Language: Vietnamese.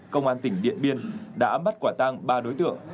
công an tỉnh điện biên đã bắt quả tang ba đối tượng